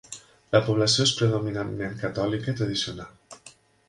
La població és predominantment catòlica i tradicional.